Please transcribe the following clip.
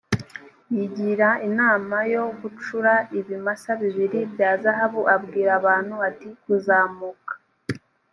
yigira inamao yo gucura ibimasa bibiri bya zahabu abwira abantu ati kuzamuka